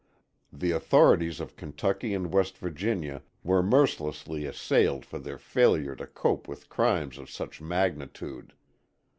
The authorities of Kentucky and West Virginia were mercilessly assailed for their failure to cope with crimes of such magnitude.